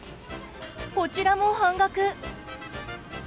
こちらも半額。